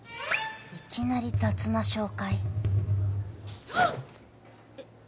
いきなり雑な紹介はっ！えっ。